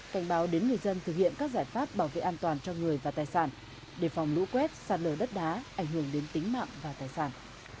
cảnh báo đến người dân thực hiện các giải pháp bảo vệ an toàn cho người và tài sản đề phòng lũ quét sạt lở đất đá ảnh hưởng đến tính mạng và tài sản